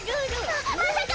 ままさか！？